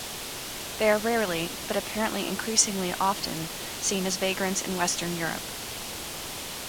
They are rarely-but apparently increasingly often-seen as vagrants in western Europe.